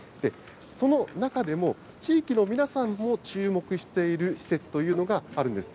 その中でも、地域の皆さんも注目している施設というのがあるんです。